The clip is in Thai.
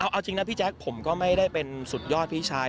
เอาจริงนะพี่แจ๊คผมก็ไม่ได้เป็นสุดยอดพี่ชาย